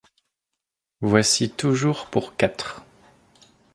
Voici toujours pour quatre.